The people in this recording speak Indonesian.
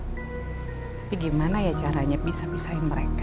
tapi gimana ya caranya pisah dua in mereka